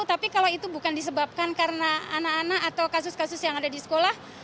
tapi kalau itu bukan disebabkan karena anak anak atau kasus kasus yang ada di sekolah